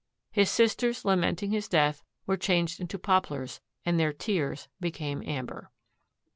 His sisters lamenting his death were changed into poplars and their tears became amber.